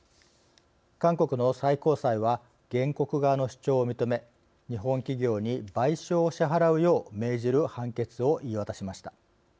韓国の最高裁は原告側の主張を認め、日本企業に賠償を支払うよう命じる判決を言い渡しました。